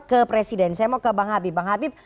ke presiden saya mau ke bang habib bang habib